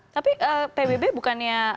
tapi pbb bukannya